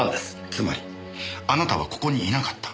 つまりあなたはここにいなかった。